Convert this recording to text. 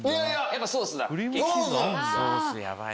やっぱソースだ？